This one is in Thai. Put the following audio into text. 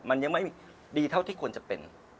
มันยังไม่ดีเท่าที่ควรจะเป็น